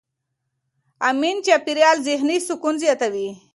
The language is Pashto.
امن چاپېریال ذهني سکون زیاتوي.